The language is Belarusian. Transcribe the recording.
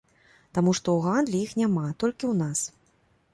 Таму што ў гандлі іх няма, толькі ў нас.